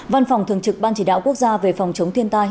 văn phòng thường trực ban chỉ đạo quốc gia về phòng chống thiên tai